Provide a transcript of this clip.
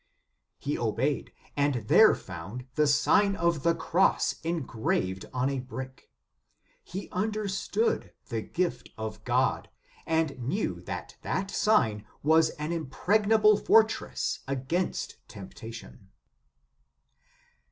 He obeyed, and there found the Sign of the Cross engraved on a brick. He understood the gift of God, and knew that that sign was an impregnable fortress against temptation.